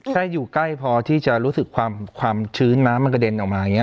อยู่ใกล้พอที่จะรู้สึกความชื้นน้ำมันกระเด็นออกมาอย่างนี้